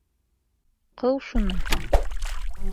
Ҡыу шуны!